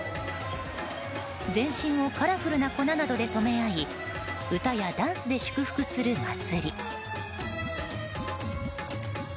全身をカラフルな粉などで染め合い歌やダンスで祝福する祭り。